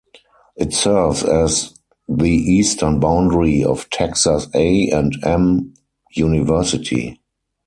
It serves as the eastern boundary of Texas A and M University.